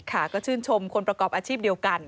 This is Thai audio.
ค่ะก็ชื่นชมคนประกอบอาชีพเดียวกัน